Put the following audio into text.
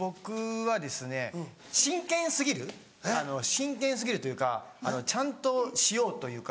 真剣過ぎるというかちゃんとしようというか。